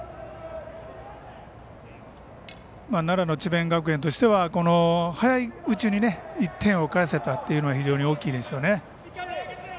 奈良の智弁学園としては早いうちに１点を返せたというのは非常に大きいですよね。